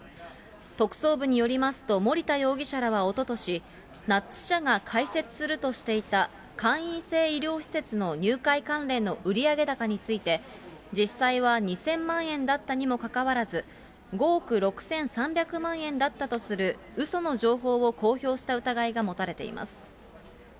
特捜部によりますと、森田容疑者らはおととし、ナッツ社が開設するとしていた会員制医療施設の入会関連の売上高について、実際は２０００万円だったにもかかわらず、５億６３００万円だったとする、うその情報を公表した疑いが持たれています。